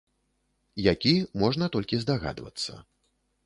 Які, можна толькі здагадвацца.